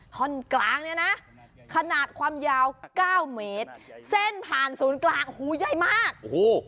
ท่อนกลางเนี่ยนะขนาดความยาวเก้าเมตรเส้นผ่านศูนย์กลางหูใหญ่มากโอ้โห